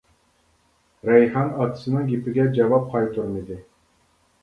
رەيھان ئاتىسىنىڭ گېپىگە جاۋاب قايتۇرمىدى.